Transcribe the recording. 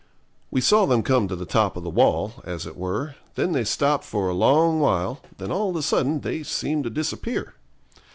We saw them come to the top of the wall, as it were, then they stopped for a long while, then all of a sudden they seemed to disappear.